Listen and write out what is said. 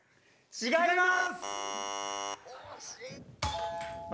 違います。